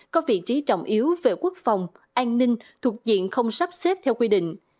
có vị trí trọng yếu về quốc phòng an ninh thuộc diện không sắp xếp theo quy định